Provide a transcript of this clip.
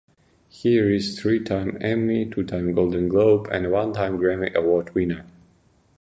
He is a three-time Emmy, two-time Golden Globe and one-time Grammy Award winner.